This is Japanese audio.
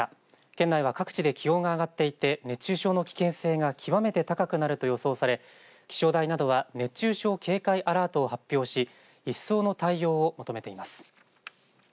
県内は各地で気温が上がっていて熱中症の危険性が極めて高くなると予想され気象台などは熱中症警戒アラートを発表し一層の対応を求めています。